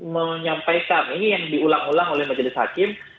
menyampaikan ini yang diulang ulang oleh majelis hakim